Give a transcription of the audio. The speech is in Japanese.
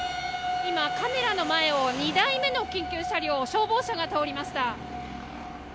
今、カメラの前を２台目の緊急車両、消防車が通りました。